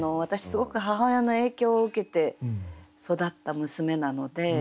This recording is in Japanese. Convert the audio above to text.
すごく母親の影響を受けて育った娘なので。